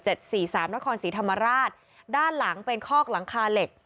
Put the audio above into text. เจ็ดสี่สามน้อยความสีธรรมราชด้านหลังเป็นคอกหลังคาเหล็ก